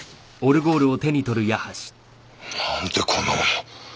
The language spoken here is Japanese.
なんでこんな物。